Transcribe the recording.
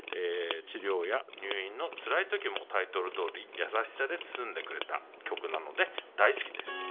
治療や入院のつらい時もタイトルどおりやさしさで包んでくれた曲なので大好きです」。